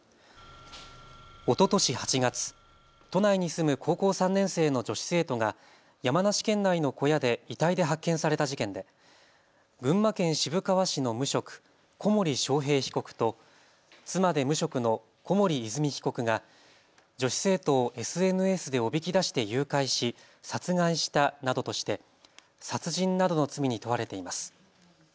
おととし８月、都内に住む高校３年生の女子生徒が山梨県内の小屋で遺体で発見された事件で群馬県渋川市の無職、小森章平被告と妻で無職の小森和美被告が女子生徒をＳＮＳでおびき出して誘拐し殺害したなどとして殺人などの罪に問われています。